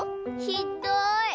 ひっどい！